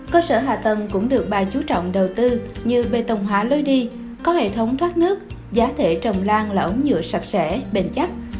cơ sở hạ tầng cũng được bà chú trọng đầu tư như bê tông hóa lôi đi có hệ thống thoát nước giá thể trồng lan là ống nhựa sạch sẽ bền chắc